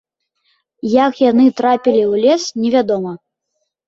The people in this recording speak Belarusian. Як яны трапілі ў лес, не вядома.